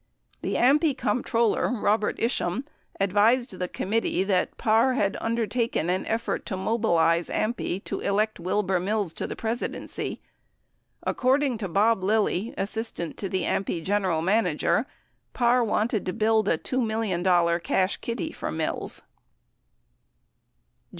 The AMPI comptroller, Robert Isham, advised the committee that Parr had undertaken an effort to mobilize AMPI to elect Wilbur Mills to the Presidency. According to Bob Lilly, assistant to the AMPI general manager, Parr wanted to build a $2 million cash kitty for Mills.